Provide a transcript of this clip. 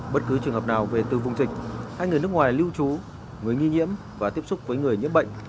bất cứ trường hợp nào về từ vùng dịch hai người nước ngoài lưu trú người nghi nhiễm và tiếp xúc với người nhiễm bệnh